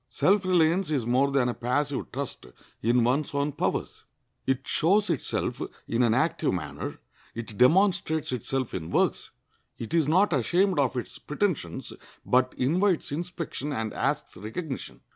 Self reliance is more than a passive trust in one's own powers. It shows itself in an active manner; it demonstrates itself in works. It is not ashamed of its pretentions, but invites inspection and asks recognition.